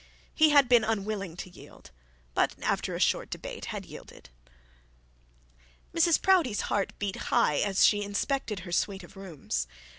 He had been unwilling to yield, but after a short debate had yielded. Mrs Proudie's heart beat high as she inspected her suite of rooms.